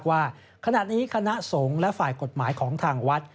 ว่าขณะนี้คณะสงฆ์และฝ่ายกฎหมายของทางวัด